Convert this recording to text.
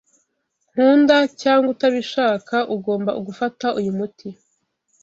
Nkunda cyangwa utabishaka, ugomba gufata uyu muti.